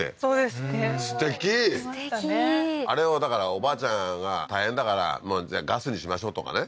すてきすてきあれをだからおばあちゃんが大変だからもうじゃあガスにしましょうとかね